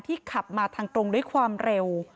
ขับมาทางตรงด้วยความเร็ว